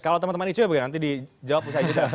kalau teman teman itu ya bagaimana nanti dijawab usaha itu